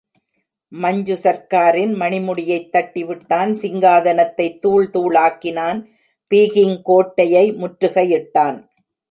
மஞ்சு சர்க்காரின் மணிமுடியைத் தட்டிவிட்டான், சிங்காதனத்தைத் தூள் தூளாக்கினன், பீகிங் கோட்டையை முற்றுகையிட்டான்.